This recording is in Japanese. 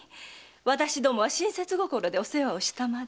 私どもは親切心でお世話をしたまで。